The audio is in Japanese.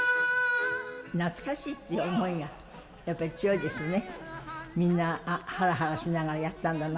懐かしいっていう思いがやっぱり強いですね。